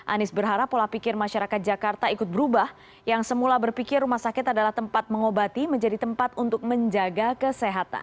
anies berharap pola pikir masyarakat jakarta ikut berubah yang semula berpikir rumah sakit adalah tempat mengobati menjadi tempat untuk menjaga kesehatan